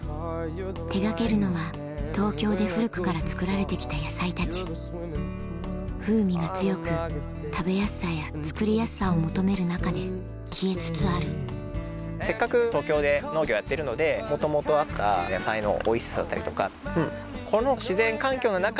手掛けるのは東京で古くから作られてきた野菜たち風味が強く食べやすさや作りやすさを求める中で消えつつあるせっかく東京で農業やってるので元々あった野菜のおいしさだったりとか。